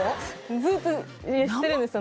ずっとしてるんですよ